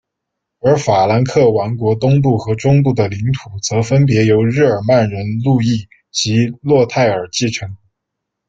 而法兰克王国东部和中部的领土则分别由日耳曼人路易及洛泰尔继承。